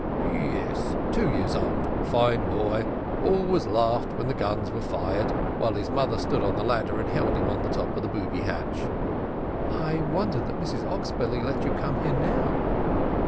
"Yes, two years old fine boy always laughed when the guns were fired, while his mother stood on the ladder and held him on the top of the booby hatch." "I wonder that Mrs Oxbelly let you come here now?"